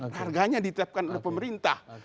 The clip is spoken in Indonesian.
harganya ditetapkan oleh pemerintah